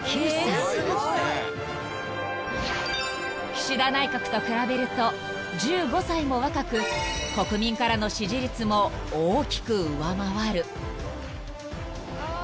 ［岸田内閣と比べると１５歳も若く国民からの支持率も大きく上回る］